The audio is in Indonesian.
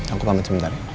aku pamit sebentar ya